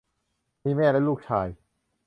มีแม่และลูกชาย